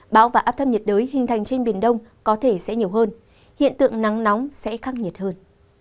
bão và áp thấp nhiệt đới hình thành trên biển đông có thể sẽ nhiều hơn hiện tượng nắng nóng sẽ khắc nhiệt hơn